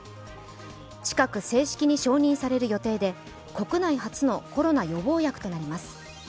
近く正式に承認される予定で国内初のコロナ予防薬となります。